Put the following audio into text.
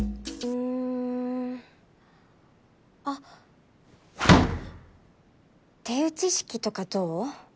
うーんあっ手打ち式とかどう？